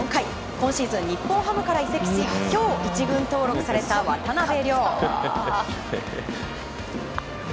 今シーズン、日本ハムから移籍し今日１軍登録された渡邉諒。